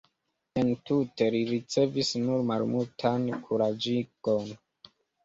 Entute li ricevis nur malmultan kuraĝigon.